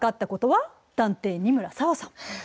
探偵仁村紗和さん。